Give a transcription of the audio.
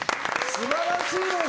素晴らしいです！